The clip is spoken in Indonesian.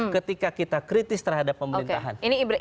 ketika kita kritis terhadap pemerintahan